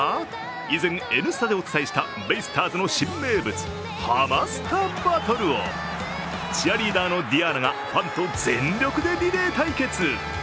以前、「Ｎスタ」でお伝えしたベイスターズの新名物、ハマスタバトルを。チアリーダーのディアーナがファンと全力でリレー対決。